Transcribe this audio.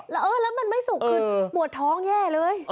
แล้วเออแล้วมันไม่สุกคือปวดท้องแย่เลย